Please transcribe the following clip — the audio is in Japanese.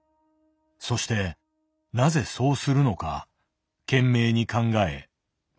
そしてなぜそうするのか懸命に考え分析した。